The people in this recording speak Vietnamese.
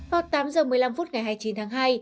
vào tám h một mươi năm phút ngày hai mươi chín tháng hai